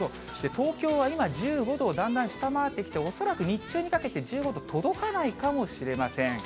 東京は今、１５度をだんだん下回ってきて、恐らく日中にかけて、１５度届かないかもしれません。